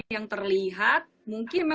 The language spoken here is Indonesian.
yang terlihat mungkin